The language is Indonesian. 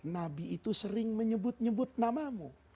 nabi itu sering menyebut nyebut namamu